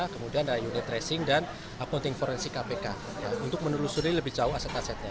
kemudian ada unit tracing dan akunting forensik kpk untuk menelusuri lebih jauh aset asetnya